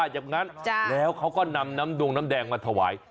ชาวบ้านมีน้ำดูงน้ำแดงมาททวาย